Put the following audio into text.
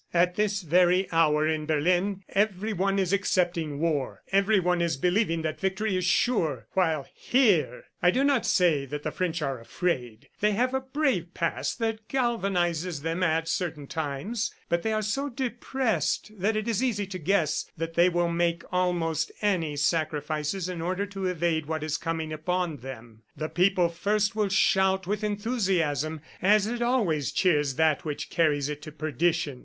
"At this very hour in Berlin, everyone is accepting war, everyone is believing that victory is sure, while HERE! ... I do not say that the French are afraid; they have a brave past that galvanizes them at certain times but they are so depressed that it is easy to guess that they will make almost any sacrifices in order to evade what is coming upon them. The people first will shout with enthusiasm, as it always cheers that which carries it to perdition.